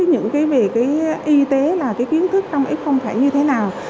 những cái về cái y tế là cái kiến thức trong f phải như thế nào